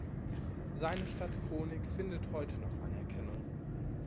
Seine Stadtchronik findet heute noch Anerkennung.